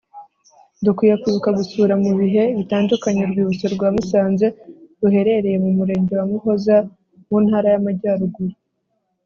Dukwiye kwibuka gusura mu bihe bitandukanye Urwibutso rwa Musanze ruherereye mu murenge wa Muhoza mu Ntara y’Amajyaruguru